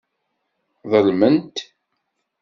Ḍelment.